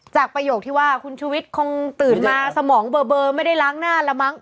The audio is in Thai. ประโยคที่ว่าคุณชุวิตคงตื่นมาสมองเบอร์ไม่ได้ล้างหน้าแล้วมั้ง